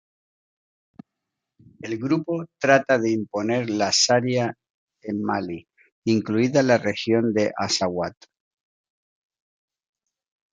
El grupo trata de imponer la Sharia en Mali, incluida la región de Azawad.